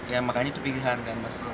ya makanya itu pilihan kan mas